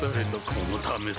このためさ